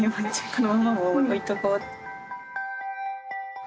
このままもう置いとこうって。